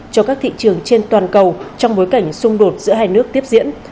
cho các thị trường trên toàn cầu trong bối cảnh xung đột giữa hai nước tiếp diễn